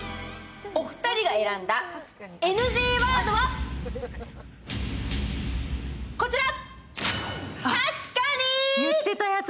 お二人が選んだＮＧワードはこちら！